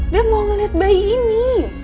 dia mau lihat bayi ini